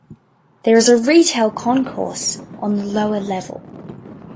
There is a retail concourse on the lower level.